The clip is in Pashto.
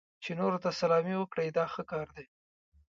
چې نورو ته سلامي وکړئ دا ښه کار دی.